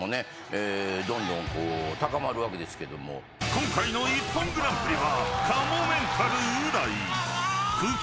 ［今回の『ＩＰＰＯＮグランプリ』は］